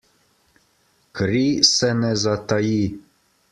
Kri se ne zataji.